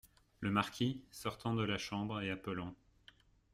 Le Marquis , sortant de la chambre et appelant.